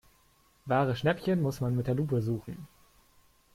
Wahre Schnäppchen muss man mit der Lupe suchen.